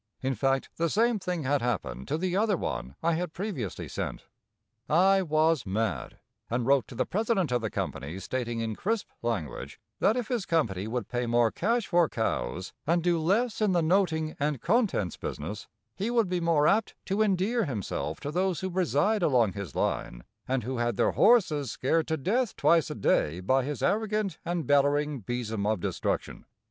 In fact the same thing had happened to the other one I had previously sent. I was mad, and wrote to the president of the company stating in crisp language that if his company would pay more cash for cows and do less in the noting and contents business, he would be more apt to endear himself to those who reside along his line and who had their horses scared to death twice a day by his arrogant and bellering besom of destruction.